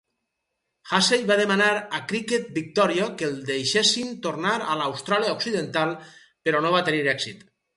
Hussey va demanar a Cricket Victoria que el deixessin tornar a l'Austràlia occidental, però no va tenir èxit.